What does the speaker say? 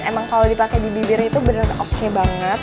emang kalo dipake di bibir itu beneran oke banget